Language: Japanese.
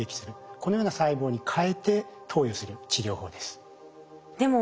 このような細胞にかえて投与する治療法です。